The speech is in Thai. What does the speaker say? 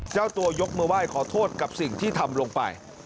เจ้าตัวยกมือไหว้ขอโทษกับสิ่งที่ทำลงไป